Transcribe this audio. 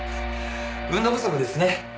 運動不足ですね。